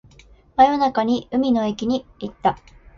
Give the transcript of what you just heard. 真夜中に海の駅に行った